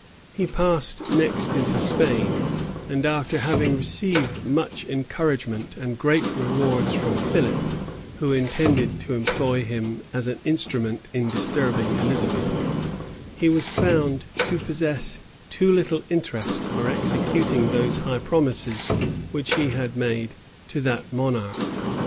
[v*] He passed next into Spain; and after having received much encouragement and great rewards from Philip, who intended to employ him as an instrument in disturbing Elizabeth, he was found to possess too little interest for executing those high promises which he had made to that monarch.